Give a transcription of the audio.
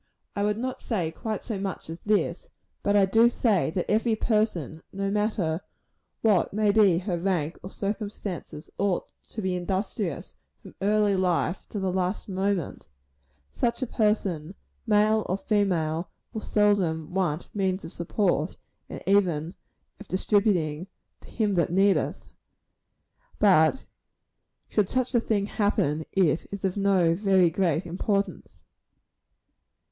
I would not say quite so much as this; but I do say that every person, no matter what may be her rank or circumstances, ought to be industrious, from early life to the last moment. Such a person, male or female, will seldom want means of support, and even of distributing "to him that needeth;" but should such a thing happen, it is of no very great importance.